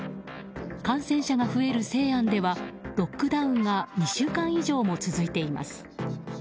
感染者が増える西安ではロックダウンが２週間以上も続いています。